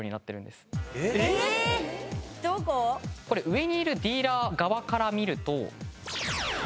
上にいるディーラー側から見ると。